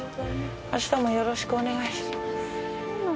明日もよろしくお願いします。